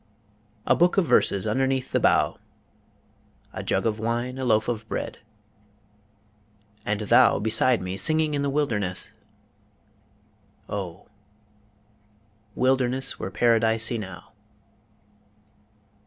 A book of verses underneath the bough, a jug of wine, a loaf of bread and thou beside me singing in the wilderness Oh wilderness were paradise enow.